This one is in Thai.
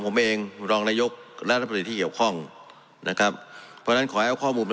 ผมออกไขการเอาข้อมูล